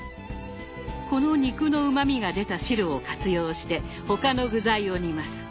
この肉のうまみが出た汁を活用して他の具材を煮ます。